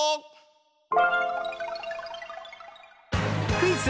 クイズ